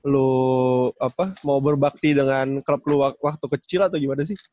lo mau berbakti dengan klub lo waktu kecil atau gimana sih